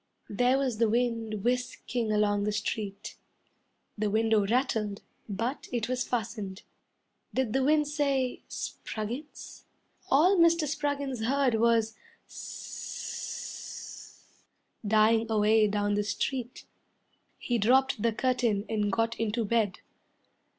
There was the wind whisking along the street. The window rattled, but it was fastened. Did the wind say, "Spruggins"? All Mr. Spruggins heard was "S s s s s " Dying away down the street. He dropped the curtain and got into bed.